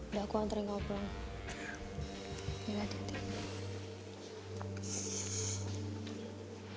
udah aku antarin kamu pulang